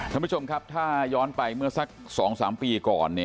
ท่านผู้ชมครับถ้าย้อนไปเมื่อสัก๒๓ปีก่อน